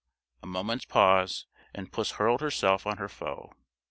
A moment's pause, and puss hurled herself on her foe.